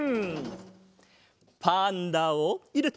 パンダをいれて。